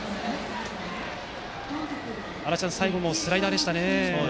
最後もスライダーでしたね。